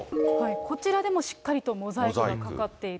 こちらでもしっかりとモザイクがかかっている。